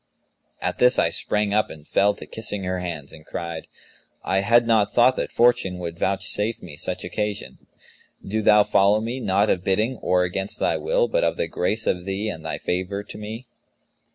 At this, I sprang up and fell to kissing her hands and cried, 'I had not thought that Fortune would vouchsafe me such occasion. Do thou follow me, not of bidding or against thy will, but of the grace of thee and thy favour to me.'